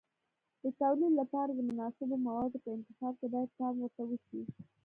د تولید لپاره د مناسبو موادو په انتخاب کې باید پام ورته وشي.